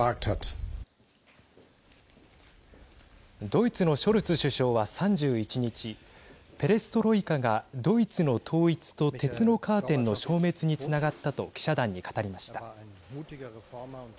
ドイツのショルツ首相は３１日ペレストロイカがドイツの統一と鉄のカーテンの消滅につながったと記者団に語りました。